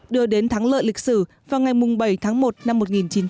đưa đến thắng lợi lịch sử vào ngày bảy tháng một năm một nghìn chín trăm bảy mươi năm